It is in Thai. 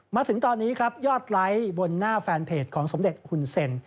มาถึงตอนนี้ครับยอดไลค์บนหน้าแฟนเพจของสมเด็จหุ่นเซ็น